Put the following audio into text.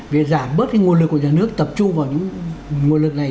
để giảm bớt cái nguồn lực của nhà nước tập trung vào những nguồn lực này